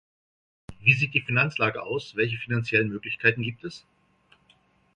Wie sieht die Finanzlage aus, welche finanziellen Möglichkeiten gibt es?